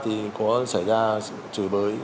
thì có xảy ra chửi bới